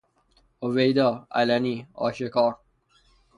هویدا -علنی آشکار